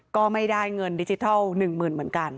ก็ไม่ได้เงินดิจิทัล๑๐๐๐เหมือนกัน